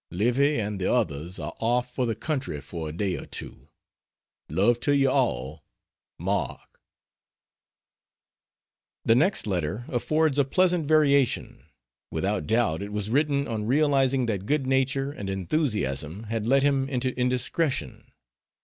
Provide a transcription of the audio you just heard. Livy and the others are off for the country for a day or two. Love to you all MARK. The next letter affords a pleasant variation. Without doubt it was written on realizing that good nature and enthusiasm had led him into indiscretion.